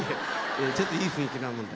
ちょっといい雰囲気なので。